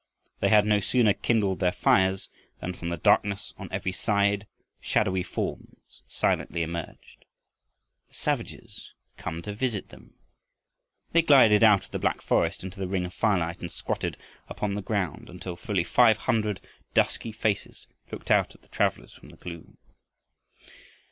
They had no sooner kindled their fires than from the darkness on every side shadowy forms silently emerged, the savages come to visit them! They glided out of the black forest into the ring of firelight and squatted upon the ground until fully five hundred dusky faces looked out at the travelers from the gloom.